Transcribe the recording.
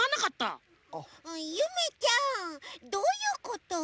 ゆめちゃんどういうこと？